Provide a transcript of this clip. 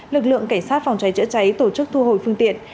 lực lượng cảnh sát phòng cháy chữa cháy tổ chức thu hồi phương tiện